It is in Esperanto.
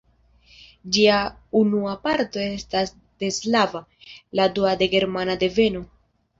Ĝia unua parto estas de slava, la dua de germana deveno.